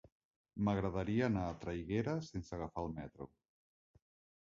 M'agradaria anar a Traiguera sense agafar el metro.